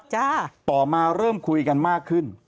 ต่อมาเริ่มคุยกันมากขึ้น